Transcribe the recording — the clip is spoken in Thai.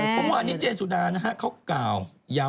เพราะว่าอันนี้เจนสุดานะฮะ